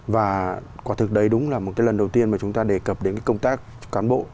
và có thực đấy đúng là lần đầu tiên chúng ta đề cập đến công tác cán bộ